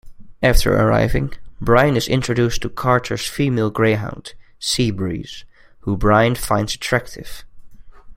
After arriving, Brian is introduced to Carter's female greyhound, Seabreeze, who Brian finds attractive.